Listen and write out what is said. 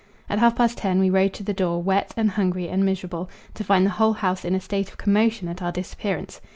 At half past ten we rode to the door, wet and hungry and miserable, to find the whole house in a state of commotion at our disappearance.